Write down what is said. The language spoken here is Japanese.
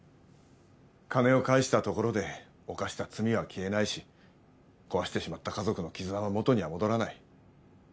金を返したところで犯した罪は消えないし壊してしまった家族の絆は元には戻らない。